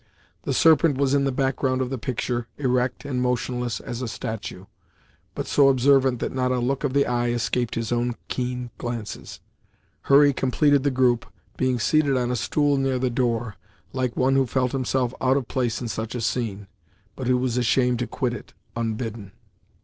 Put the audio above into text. The Serpent was in the background of the picture, erect, and motionless as a statue; but so observant that not a look of the eye escaped his own keen glances. Hurry completed the group, being seated on a stool near the door, like one who felt himself out of place in such a scene, but who was ashamed to quit it, unbidden.